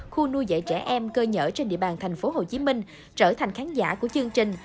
khu nuôi dạy trẻ em cơ nhở trên địa bàn thành phố hồ chí minh trở thành khán giả của chương trình